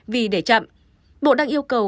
vì để chậm bộ đang yêu cầu